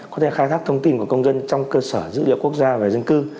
có thể khai thác thông tin của công dân trong cơ sở dữ liệu quốc gia về dân cư